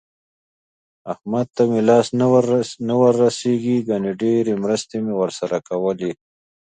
احمد ته مې لاس نه ورسېږي ګني ډېرې مرستې مې ورسره کولې.